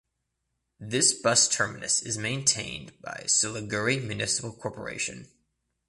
This bus terminus is maintained by Siliguri Municipal Corporation.